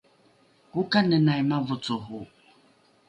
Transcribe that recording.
okanenai mavocoro